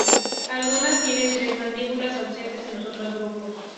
Algunas tienen tres mandíbulas, ausentes en los otros grupos.